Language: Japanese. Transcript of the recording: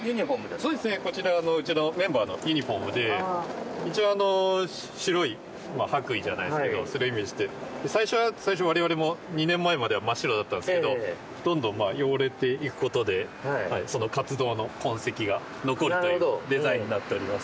そうですね、こちらうちのメンバーのユニホームで一応白い白衣じゃないですけど最初は我々も２年前までは真っ白だったんですけどどんどん汚れていくことでその活動の痕跡が残るというデザインになっています。